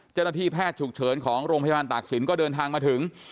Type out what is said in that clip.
เจ้าหน้าที่แพทย์ฉุกเฉินของโรงพยาบาลตากศิลปก็เดินทางมาถึง